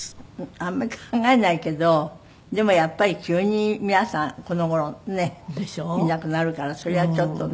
あんまり考えないけどでもやっぱり急に皆さんこの頃ねいなくなるからそれはちょっとね。